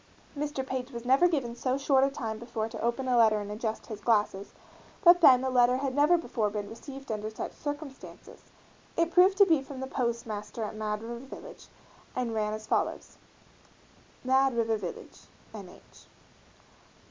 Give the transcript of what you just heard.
Mr. Page was never given so short a time before to open a letter and adjust his glasses, but then a letter had never before been received under such circumstances. It proved to be from the postmaster at Mad River Village, and ran as follows: Mad River Village, N. H.